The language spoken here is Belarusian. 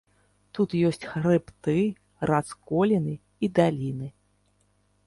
Тут ёсць хрыбты, расколіны і даліны.